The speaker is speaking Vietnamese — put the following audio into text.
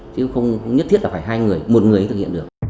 chứ không nhất thiết là phải hai người một người thực hiện được